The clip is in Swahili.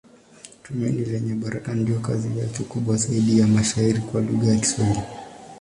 Tumaini Lenye Baraka ndiyo kazi yake kubwa zaidi ya mashairi kwa lugha ya Kiswahili.